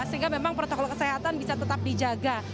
sehingga memang protokol kesehatan bisa tetap dijaga